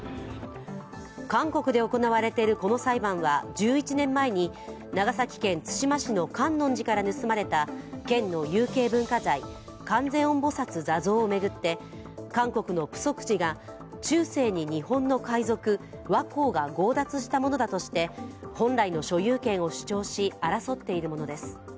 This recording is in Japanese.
韓国で行われているこの裁判は１１年前に長崎県対馬市の観音寺から盗まれた県の有形文化財・観世音菩薩座像を巡って、韓国のプソク寺が中世に日本の海賊、倭寇が強奪したものだとして本来の所有権を主張し争っているものです。